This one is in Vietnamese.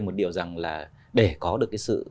một điều rằng là để có được cái sự